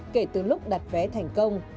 kể từ lúc đặt vé thành công